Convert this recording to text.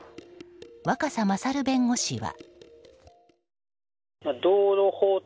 若狭勝弁護士は。